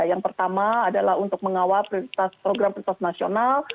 yang pertama adalah untuk mengawal program prioritas nasional